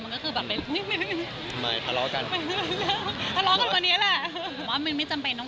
มันก็คือแบบไม่ได้เป็นรวม